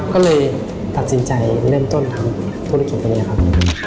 ก็เลยตัดสินใจเริ่มต้นทำธุรกิจตรงนี้ครับ